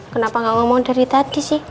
kenapa gak ngomong dari tadi sih